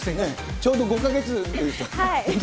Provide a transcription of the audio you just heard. ちょうど５か月。